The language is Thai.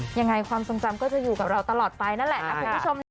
ยังไงความทรงจำก็จะอยู่กับเราตลอดไปนั่นแหละนะคุณผู้ชมนะ